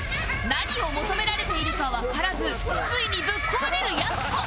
何を求められているかわからずついにぶっ壊れるやす子